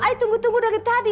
ayo tunggu tunggu dari tadi